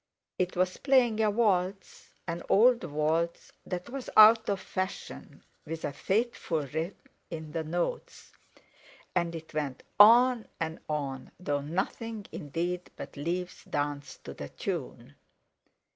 It was playing a waltz, an old waltz that was out of fashion, with a fateful rhythm in the notes; and it went on and on, though nothing indeed but leaves danced to the tune.